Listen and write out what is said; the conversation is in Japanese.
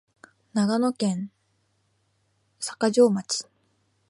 長野県坂城町